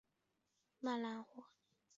曼联获得冠军。